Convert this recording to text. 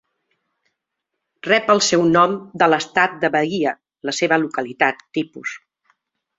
Rep el seu nom de l'estat de Bahia, la seva localitat tipus.